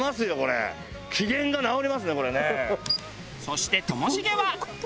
そしてともしげは。